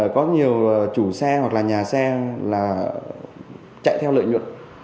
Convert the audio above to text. có nhiều chủ xe hoặc là nhà xe là chạy theo lợi nhuận